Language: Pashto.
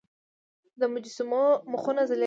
د مجسمو مخونه ځلیدل